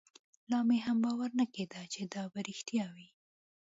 لا مې هم باور نه کېده چې دا به رښتيا وي.